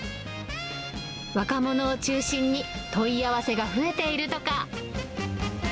若者を中心に問い合わせが増えているとか。